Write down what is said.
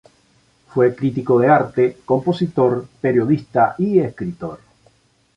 Fue crítico de arte, compositor, periodista y escritor.